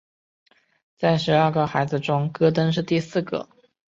在十二个孩子中戈登是第四个。